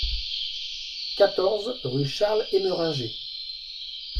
quatorze rue Charles Emeringer